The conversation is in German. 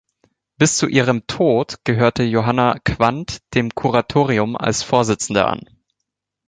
Bis zu ihrem Tod gehörte Johanna Quandt dem Kuratorium als Vorsitzende an.